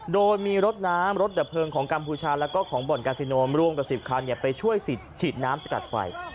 โดยมีรถน้ำรถดับเพลิงของกัมพูชาแล้วก็ของบ่อนกาซิโนร่วมกับ๑๐คันไปช่วยฉีดน้ำสกัดไฟ